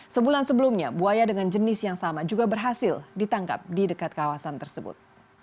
sebulan sebelumnya buaya dengan jenis yang sama juga berhasil ditangkap di dekat kawasan tersebut